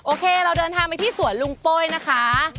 โอเคเราเดินทางไปที่สวนลุงโป้ยนะคะ